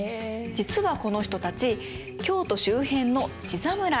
実はこの人たち京都周辺の地侍。